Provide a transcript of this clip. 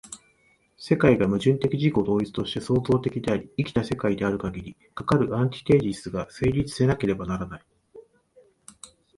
世界が矛盾的自己同一として創造的であり、生きた世界であるかぎり、かかるアンティテージスが成立せなければならない。